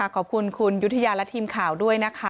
ขอบคุณคุณยุธยาและทีมข่าวด้วยนะคะ